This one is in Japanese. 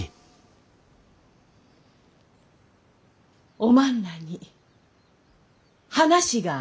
おまんらに話がある。